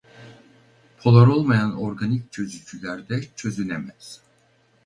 Polar olmayan organik çözücülerde çözünemez.